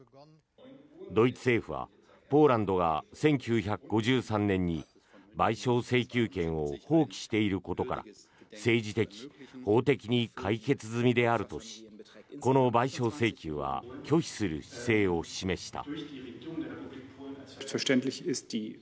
ドイツ政府はポーランドが１９５３年に賠償請求権を放棄していることから政治的・法的に解決済みであるとしこの賠償請求は拒否する姿勢を示した。